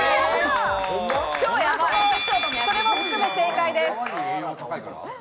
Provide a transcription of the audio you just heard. それも含め正解です。